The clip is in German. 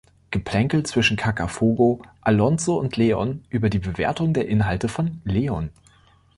Geplänkel zwischen Cacafogo, Alonzo und Leon über die Bewertung der Inhalte von Leon.